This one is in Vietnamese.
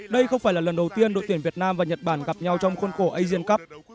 đây không phải là lần đầu tiên đội tuyển việt nam và nhật bản gặp nhau trong khuôn khổ asian cup